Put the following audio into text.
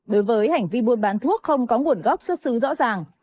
đối với hành vi buôn bán thuốc không có nguồn gốc xuất xứ rõ ràng